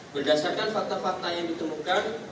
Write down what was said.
berdasarkan fakta fakta yang ditemukan